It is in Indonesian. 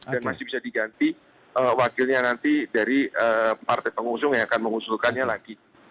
dan masih bisa diganti wakilnya nanti dari partai pengusung yang akan mengusulkannya lagi